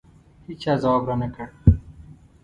هېچا ځواب رانه کړ.